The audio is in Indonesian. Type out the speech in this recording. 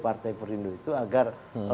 partai perindu itu agar